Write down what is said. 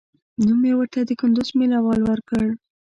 نوم مې ورته د کندوز مېله وال ورکړ.